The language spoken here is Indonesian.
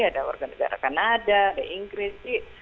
ada warga negara kanada ada inggris